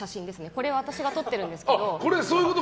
これ私が撮っているんですけど。